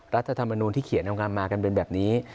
รัฐธรรมนูลที่เขียนออกมากันเป็นแบบนี้